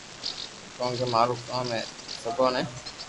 ڪونڪہ مارو ڪوم ھي سبو ني